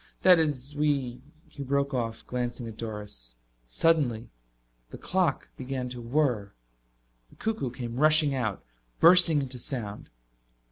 "That is, we " He broke off, glancing at Doris. Suddenly the clock began to whirr. The cuckoo came rushing out, bursting into sound.